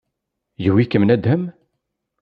Yewwi-kem nuddam?